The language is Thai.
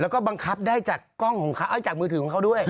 แล้วก็บังคับได้จากกล้องของเขาเอาจากมือถือของเขาด้วย